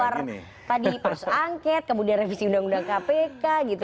keluar tadi pas angket kemudian revisi undang undang kpk gitu